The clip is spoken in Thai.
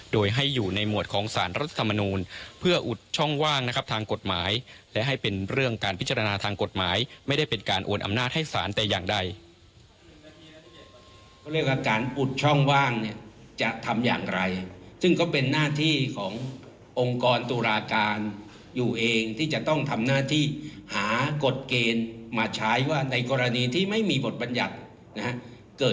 โดยให้อยู่ในหมวดของสารรัฐธรรมนูญเพื่ออุดช่องว่างทางกฎหมายและให้เป็นเรื่องการพิจารณาทางกฎหมายไม่ได้เป็นการอวดอำนาจให้สารแต่อย่างใด